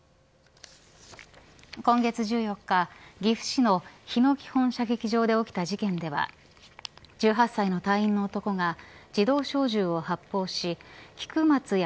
今月１４日、岐阜市の日野基本射撃場で起きた事件では１８歳の隊員の男が自動小銃を発砲し菊松安